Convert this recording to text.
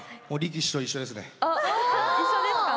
あ一緒ですか？